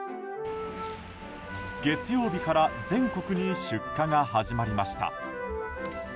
月曜日から全国に出荷が始まりました。